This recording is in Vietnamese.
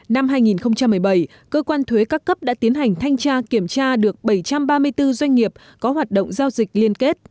năm hai nghìn một mươi bảy cơ quan thuế các cấp đã tiến hành thanh tra kiểm tra được bảy trăm ba mươi bốn doanh nghiệp có hoạt động giao dịch liên kết